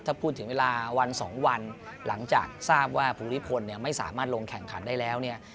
ถ้าพูดถึงเวลาวันสองวันหลังจากทราบว่าภูมิพลเนี่ยไม่สามารถลงแข่งขันได้แล้วเนี่ย